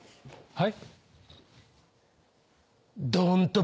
はい？